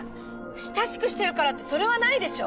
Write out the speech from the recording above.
親しくしてるからってそれはないでしょ！